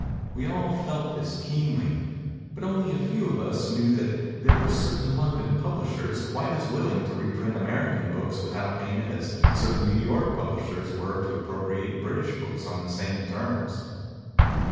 We all felt this keenly; but only a few of us knew that there were certain London publishers quite as willing to reprint American books with out payment as certain New York publishers were to appropriate British books on the same terms.